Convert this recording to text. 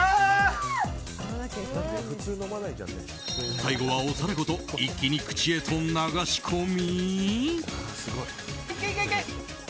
最後はお皿ごと一気に口へと流し込み。